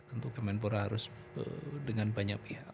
tentu kemenpora harus dengan banyak pihak